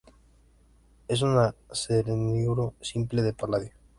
Es un arseniuro simple de paladio.